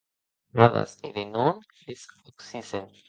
Ada eres non les aucissen.